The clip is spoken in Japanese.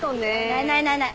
ないないないない。